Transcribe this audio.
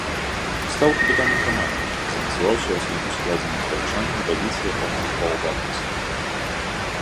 Стаў капітанам каманды, замацаваўся ў асноўным складзе магіляўчан на пазіцыі апорнага паўабаронцы.